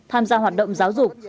tham gia hoạt động giáo dục